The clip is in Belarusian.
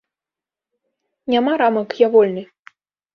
Няма рамак, я вольны.